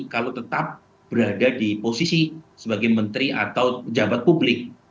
kalau tetap berada di posisi sebagai menteri atau pejabat publik